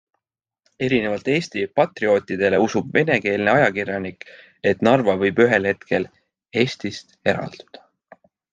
Erinevalt Eesti patriootidele usub venekeelne ajakirjanik, et Narva võib ühel hetkel Eestist eralduda.